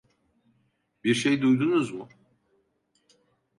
Bir şey duydunuz mu?